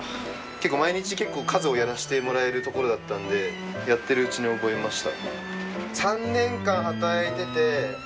毎日結構数をやらしてもらえる所だったんでやってるうちに覚えました。